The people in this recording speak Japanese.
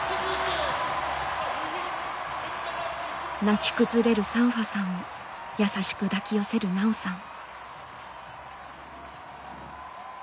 泣き崩れるサンファさんを優しく抱き寄せる奈緒さん。